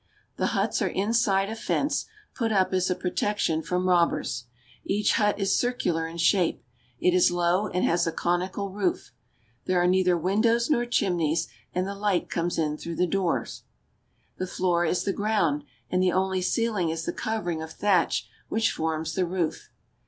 The huts are inside a fence, put up as a protec tion from robbers. Each hut is circular in shape. It is low and has a conical roof. There are neither windows nor chimneys, and the light comes in through the door. The floor is the ground, and the only ceiling is the cov ering of thatch which forms the roof.